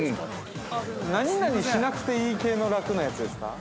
◆何々しなくていい系の楽なやつですか。